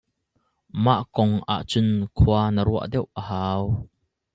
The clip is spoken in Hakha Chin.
Mah kong ahcun khua na ruah deuh a hau.